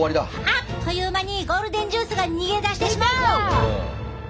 あっという間にゴールデンジュースが逃げ出してしまう！